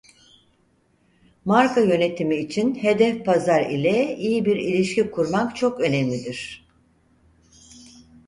Marka yönetimi için hedef pazar ile iyi bir ilişki kurmak çok önemlidir.